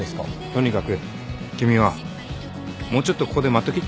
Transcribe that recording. とにかく君はもうちょっとここで待っとき。